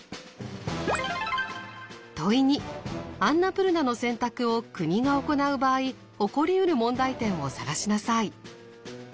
問２アンナプルナの選択を国が行う場合起こりうる問題点を探しなさい。